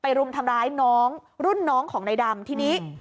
รุมทำร้ายน้องรุ่นน้องของนายดำทีนี้